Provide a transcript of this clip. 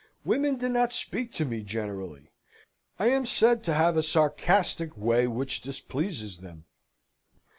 Women do not speak to me, generally; I am said to have a sarcastic way which displeases them."